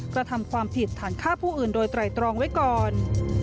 กระทำความผิดฐานฆ่าผู้อื่นโดยไตรตรองไว้ก่อน